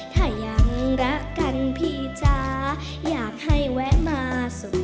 ถ้ายังรักกันพี่จ๋าอยากให้แวะมาสกตาคุยกัน